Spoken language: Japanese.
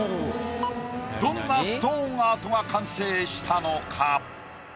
どんなストーンアートが完成したのか？